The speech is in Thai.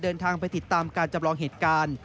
เดินทางไปติดตามการจำลองเหตุการณ์